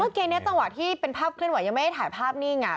เกมนี้จังหวะที่เป็นภาพเคลื่อนไหวยังไม่ได้ถ่ายภาพนิ่ง